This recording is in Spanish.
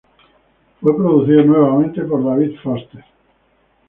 Fue producido nuevamente por David Foster.